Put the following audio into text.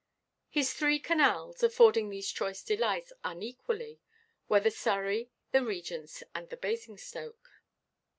His three canals, affording these choice delights unequally, were the Surrey, the Regentʼs, and the Basingstoke.